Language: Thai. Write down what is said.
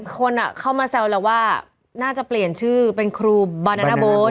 คนเข้ามาแซวแล้วว่าน่าจะเปลี่ยนชื่อเป็นครูบานานาโบ๊ท